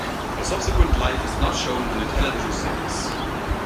Her subsequent life is not shown in the television series.